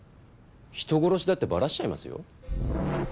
人殺しだってバラしちゃいますよ？